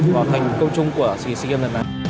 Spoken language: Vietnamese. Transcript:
vào thành công chung của sigem lần này